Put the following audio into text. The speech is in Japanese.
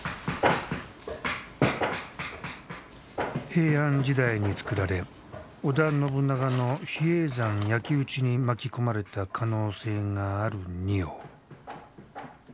平安時代につくられ織田信長の比叡山焼き打ちに巻き込まれた可能性がある仁王。